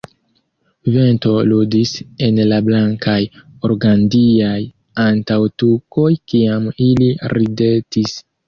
Vento ludis en la blankaj organdiaj antaŭtukoj kiam ili ridetis.